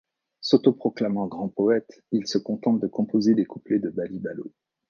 S'autoproclamant grand poète, il se contente de composer des couplets de Bali-Balo.